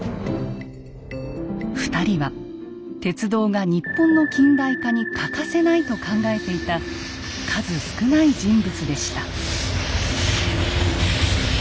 ２人は鉄道が日本の近代化に欠かせないと考えていた数少ない人物でした。